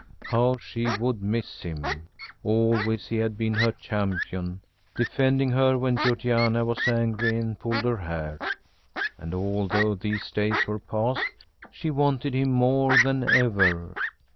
How she would miss him! Always he had been her champion, defending her when Georgiana was angry and pulled her hair. And although these days were past she wanted him more than ever.